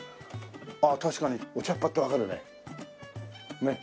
ああ確かにお茶っ葉ってわかるね。